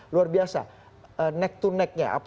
luar biasa neck to necknya